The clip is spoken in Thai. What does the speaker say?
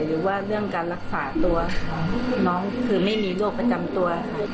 หรือว่าเรื่องการรักษาตัวของน้องคือไม่มีโรคประจำตัวค่ะ